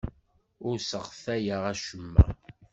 Ur sseɣtayeɣ acemma.